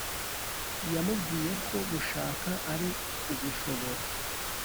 yamubwiye ko gushaka ari ugushobora